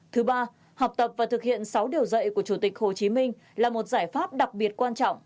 thứ ba học tập và thực hiện sáu điều dạy của chủ tịch hồ chí minh là một giải pháp đặc biệt quan trọng